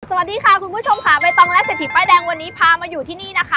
สวัสดีค่ะคุณผู้ชมค่ะใบตองและเศรษฐีป้ายแดงวันนี้พามาอยู่ที่นี่นะคะ